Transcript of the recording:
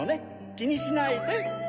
きにしないで。